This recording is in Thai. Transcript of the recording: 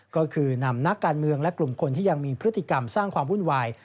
ก็คือนำนักการเมืองและกลุ่มคนที่ยังมีพฤติกรรมสร้างความวุ่นวาย